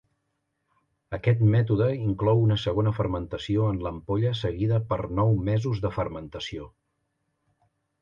Aquest mètode inclou una segona fermentació en l'ampolla seguida per nou mesos de fermentació.